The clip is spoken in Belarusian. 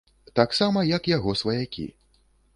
Таксама як яго сваякі.